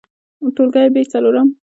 ټولګى : ب څلورم